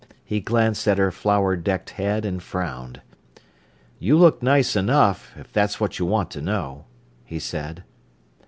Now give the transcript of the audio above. He glanced at her flower decked head and frowned. "You look nice enough, if that's what you want to know," he said.